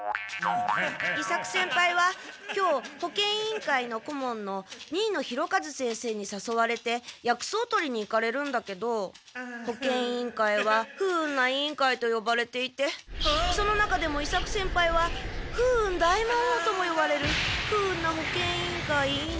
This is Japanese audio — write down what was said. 伊作先輩は今日保健委員会の顧問の新野洋一先生にさそわれて薬草採りに行かれるんだけど保健委員会は不運な委員会とよばれていてその中でも伊作先輩は不運大魔王ともよばれる不運な保健委員会委員長で。